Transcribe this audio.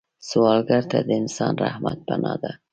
سوالګر ته د انسان رحمت پناه ده